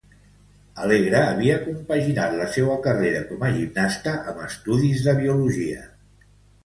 Alegre havia compaginat la seua carrera com a gimnasta amb estudis de Biologia.